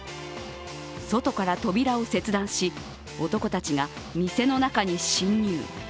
外から扉を切断し男たちが店の中に侵入。